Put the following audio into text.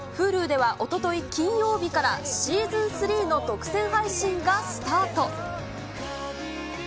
Ｈｕｌｕではおととい金曜日から、シーズン３の独占配信がスタート。